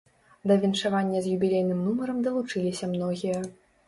Да віншавання з юбілейным нумарам далучыліся многія.